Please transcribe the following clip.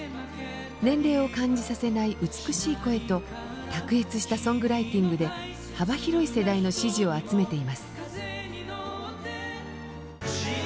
年齢を感じさせない美しい声と卓越したソングライティングで幅広い世代の支持を集めています。